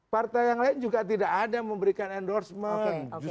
partai yang lain juga tidak ada memberikan endorsement